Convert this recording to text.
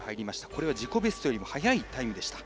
これは自己ベストよりも早いタイムでした。